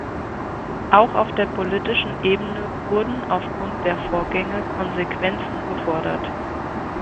Auch auf der politischen Ebene wurden aufgrund der Vorgänge Konsequenzen gefordert.